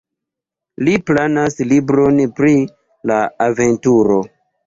Li planas libron pri la aventuro.